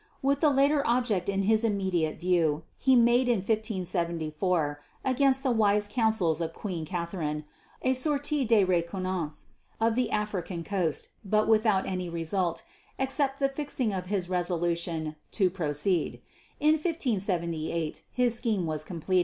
With the latter object in his immediate view, he made in 1574, against the wise counsels of Queen Catherine, a sortie de reconnaissance of the African coast; but without any result except the fixing of his resolution to proceed. In 1578 his scheme was complete.